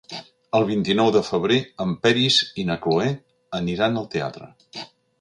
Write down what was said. El vint-i-nou de febrer en Peris i na Cloè aniran al teatre.